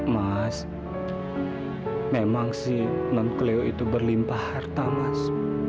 mas memang sih nonkeleo itu berlimpah harta mas